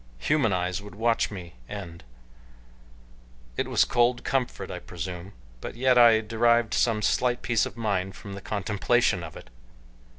Human eyes would watch me end. It was cold comfort I presume, but yet I derived some slight peace of mind from the contemplation of it.